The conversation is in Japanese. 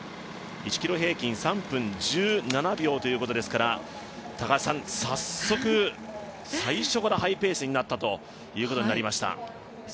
１ｋｍ平均３分１７秒ということですから早速、最初からハイペースになったということになりました。